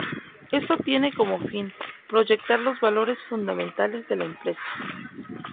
Esto tiene como fin, proyectar los valores fundamentales de la empresa.